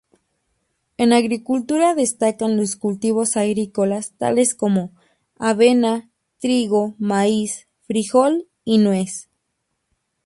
En agricultura destacan los cultivos agrícolas tales como avena, trigo, maíz, frijol y nuez.